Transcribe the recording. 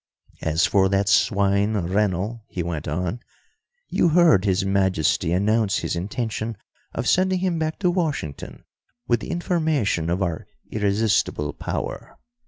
"As for that swine Rennell," he went on, "you heard His Majesty announce his intention of sending him back to Washington with the information of our irresistible power.